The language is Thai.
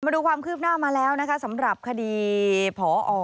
มาดูความคืบหน้ามาแล้วนะคะสำหรับคดีผอ